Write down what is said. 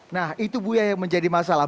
nah itu bu ya yang menjadi masalah